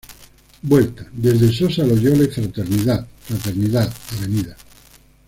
Vuelta: Desde Sosa Loyola y Fraternidad, Fraternidad, Av.